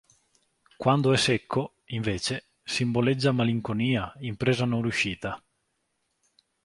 Quando è secco, invece, simboleggia "malinconia", "impresa non riuscita".